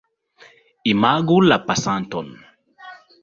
Imagu la pasanton.